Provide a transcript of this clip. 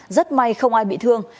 rất may không ai bị thương